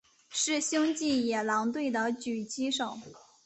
是星际野狼队的狙击手。